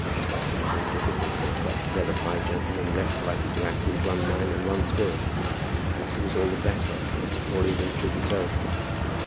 It would have been difficult to have got together five gentlemen less likely to act with one mind and one spirit; and perhaps it was all the better for Mr. Crawley that it should be so.